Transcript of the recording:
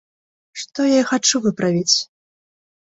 Што я і хачу выправіць.